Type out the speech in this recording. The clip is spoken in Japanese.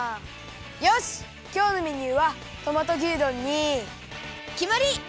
よしきょうのメニューはトマト牛丼にきまり！